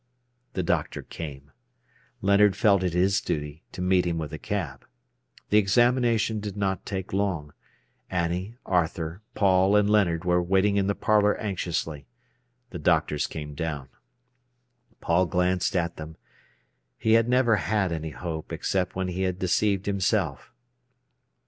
The doctor came. Leonard felt it his duty to meet him with a cab. The examination did not take long. Annie, Arthur, Paul, and Leonard were waiting in the parlour anxiously. The doctors came down. Paul glanced at them. He had never had any hope, except when he had deceived himself.